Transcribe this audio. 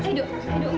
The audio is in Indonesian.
sekarang kamu pergi